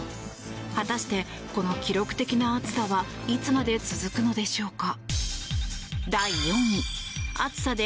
果たしてこの記録的な暑さはいつまで続くのでしょうか。